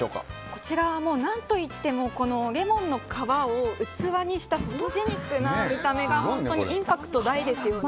こちらは何といってもレモンの皮を器にしたフォトジェニックな見た目が本当にインパクト大ですよね。